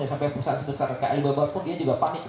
sampai perusahaan sebesar kayak alibaba pun dia juga panik